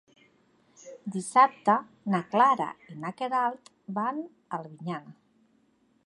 Dissabte na Clara i na Queralt van a Albinyana.